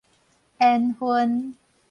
緣份